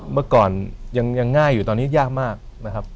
เมื่อก่อนยังง่ายอยู่ตอนนี้ยากมากนะครับ